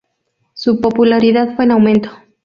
Su popularidad fue en aumento.